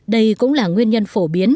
đây cũng là nguyên nhân phổ biến